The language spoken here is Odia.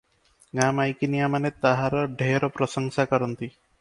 ଗାଁ ମାଇକିନିଆମାନେ ତାହାର ଢେର ପ୍ରଶଂସା କରନ୍ତି ।